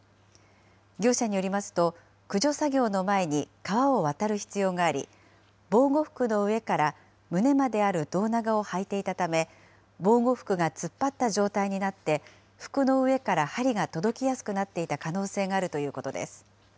業者によりますと、駆除作業の前に、川を渡る必要があり、防護服の上から胸まである胴長を履いていたため、防護服が突っ張った状態になって、服の上から針が届きやすくなっていた可能性があるということです。